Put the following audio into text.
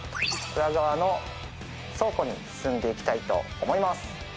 裏側の倉庫に進んでいきたいと思います